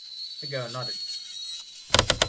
The girl nodded.